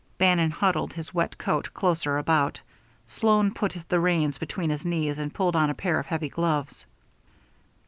Bannon huddled his wet coat closer about him. Sloan put the reins between his knees and pulled on a pair of heavy gloves.